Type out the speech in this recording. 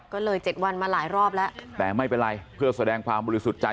ก็เลยเจ็ดวันมาหลายรอบแล้วแต่ไม่เป็นไรเพื่อแสดงความบริสุทธิ์ใจ